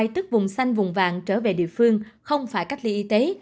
tức vùng xanh vùng vàng trở về địa phương không phải cách ly y tế